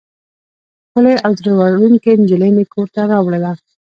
ښکلې او زړه وړونکې نجلۍ مې کور ته راوړه.